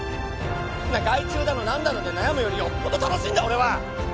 外注だの何だので悩むよりよっぽど楽しいんだ俺は！